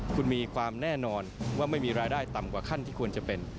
คุณมีความแน่นอนว่าไม่มีรายได้ต่ำกว่าขั้นที่ควรจะเป็น